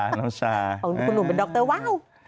ของคุณหนูเป็นดอคเตอร์ว้าว